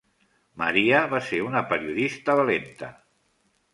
Maria va ser una periodista valenta.